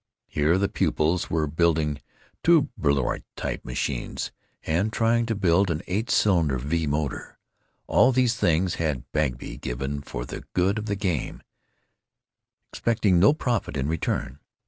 Here the pupils were building two Blériot type machines, and trying to build an eight cylinder V motor. All these things had Bagby given for the good of the game, expecting no profit in return.